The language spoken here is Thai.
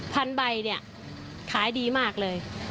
พันใบเนี่ยขายดีมากเลย